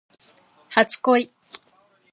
初恋